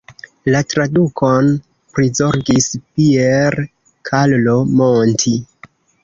La tradukon prizorgis Pier Carlo Monti.